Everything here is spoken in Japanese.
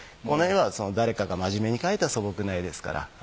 この絵は誰かが真面目に描いた素朴な絵ですから。